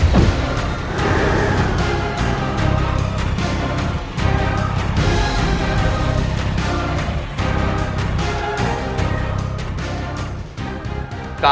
aku mau kesana